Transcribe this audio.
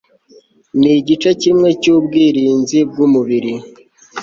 ni igice kimwe cy ubwirinzi bw umubiri